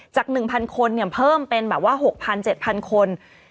จาก๑๐๐๐คนเพิ่มเป็น๖๐๐๐๗๐๐๐คน